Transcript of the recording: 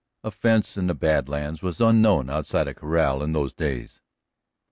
A fence in the Bad Lands was unknown outside a corral in those days.